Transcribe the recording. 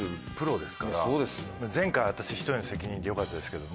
前回は私一人の責任でよかったですけど。